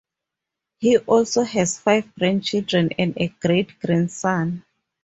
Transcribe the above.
He also has five grandchildren and a great-grandson.